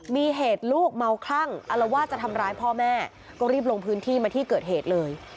มีเหตุลูกเมาคลั่งอารวาสจะทำร้ายพ่อแม่ก็รีบลงพื้นที่มาที่เกิดเหตุเลย